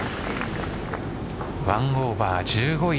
１オーバー１５位